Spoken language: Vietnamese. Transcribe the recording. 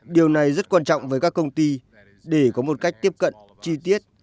điều này rất quan trọng với các công ty để có một cách tiếp cận chi tiết